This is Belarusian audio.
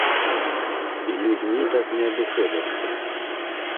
З людзьмі так не абыходзяцца!